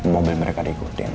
mobil mereka diikutin